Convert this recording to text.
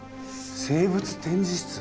生物展示室？